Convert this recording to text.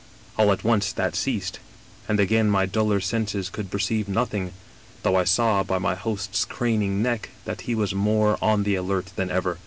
All at once that ceased, and again my duller senses could perceive nothing, though I saw by my host's craning neck that he was more on the alert than ever.